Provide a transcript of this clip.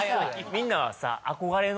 みんなはさ